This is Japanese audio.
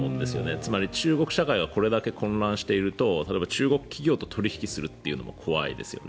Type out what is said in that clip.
つまり、中国社会がこれだけ混乱すると中国企業と取引するのも怖いですよね。